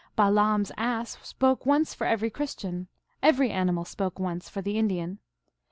Balaam s ass spoke once for every Christian ; every animal spoke once for the Indian.